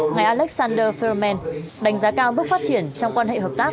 ngài alexander frommen đánh giá cao bước phát triển trong quan hệ hợp tác